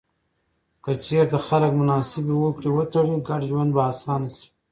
که چیرته خلک مناسبې هوکړې وتړي، ګډ ژوند به اسانه سي.